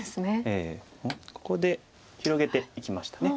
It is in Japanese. おっここで広げていきました。